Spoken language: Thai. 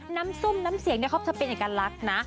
น้ำซุ่มน้ำเสียงเนี่ยเขาจะเป็นเอกลักษณ์นะ